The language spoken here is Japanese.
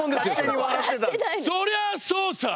そりゃそうさ！